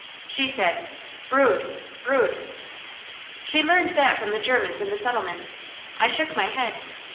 She said: 'Brod! Brod!' "She learned that from the Germans in the settlement. I shook my head.